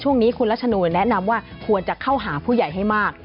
ช่วงนี้คุณรัชนูลแนะนำว่าควรจะเข้าหาผู้ใหญ่ให้มาก